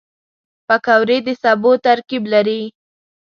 پکورې د سبو ترکیب لري